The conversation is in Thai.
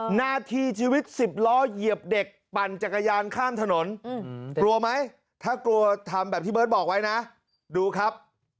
หน้าที่ชีวิต๑๐ล้อเหยียบเด็กปั่นจักรยานข้ามถนนกลัวไหมถ้ากลัวทำแบบที่เบิร์ตบอกไว้นะดูครับ